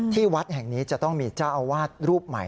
วัดแห่งนี้จะต้องมีเจ้าอาวาสรูปใหม่